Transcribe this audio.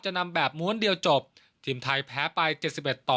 นำแบบม้วนเดียวจบทีมไทยแพ้ไปเจ็ดสิบเอ็ดต่อ